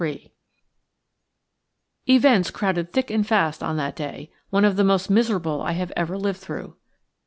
3 EVENTS crowded thick and fast on that day–one of the most miserable I have ever lived through.